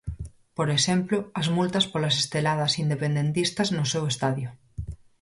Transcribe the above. Por exemplo, as multas polas 'esteladas' independentistas no seu estadio.